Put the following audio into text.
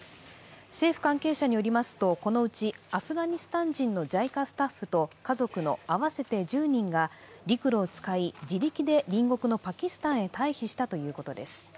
政府関係者によりますと、このうちアフガニスタン人のＪＩＣＡスタッフと家族の合わせて１０人が陸路を使い自力で隣国のパキスタンへ退避したということです。